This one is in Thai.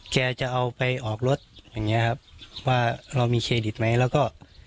จะเอาไปออกรถอย่างเงี้ยครับว่าเรามีเครดิตไหมแล้วก็